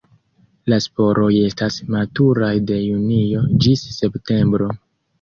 La sporoj estas maturaj de junio ĝis septembro.